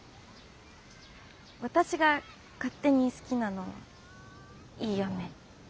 私が勝手に好きなのはいいよね？